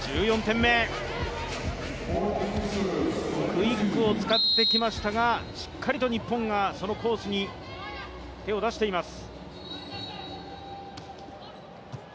クイックを使ってきましたが、しっかりと日本がそのコースに手を出しています。